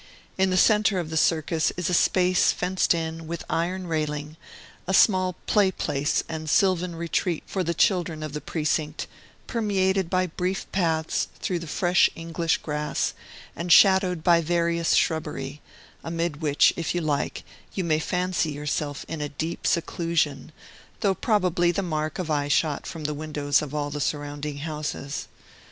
In the centre of the Circus is a space fenced in with iron railing, a small play place and sylvan retreat for the children of the precinct, permeated by brief paths through the fresh English grass, and shadowed by various shrubbery; amid which, if you like, you may fancy yourself in a deep seclusion, though probably the mark of eye shot from the windows of all the surrounding houses.